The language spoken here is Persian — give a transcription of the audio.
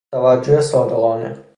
توجه صادقانه